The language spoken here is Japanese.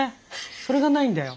それがないんだよ。